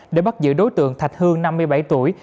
để bắt giữ đối tượng thạch hương năm mươi bảy tuổi